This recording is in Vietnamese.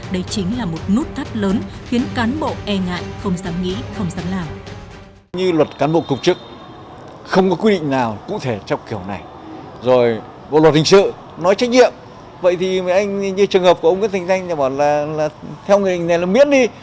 đây chính là một nút thắt lớn khiến cán bộ e ngại không dám nghĩ không dám làm